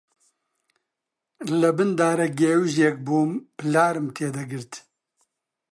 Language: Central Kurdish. لەبن دارەگێوژێک بووم، پلارم تێ دەگرت